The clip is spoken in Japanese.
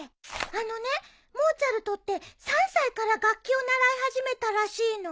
あのねモーツァルトって３歳から楽器を習い始めたらしいの。